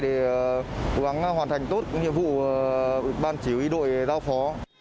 để cố gắng hoàn thành tốt nhiệm vụ ban chỉ huy đội giao phó